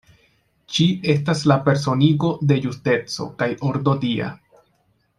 Ŝi estas la personigo de justeco kaj ordo dia.